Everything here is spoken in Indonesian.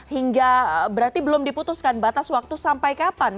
hingga berarti belum diputuskan batas waktu sampai kapan